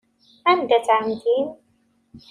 Anda-tt ɛemmti-m?